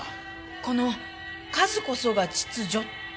この「数こそが秩序」って？